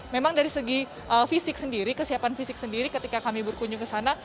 memang dari segi fisik sendiri kesiapan fisik sendiri ketika kami berkunjung ke sana